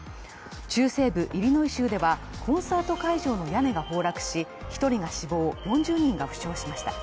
中西部イリノイ州ではコンサート会場の屋根が崩落し、１人が死亡、４０人が負傷しました。